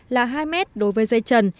là hai mét đối với dây trần